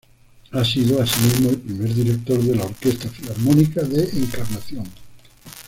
Ha sido así mismo, el primer director de la Orquesta Filarmónica de Encarnación.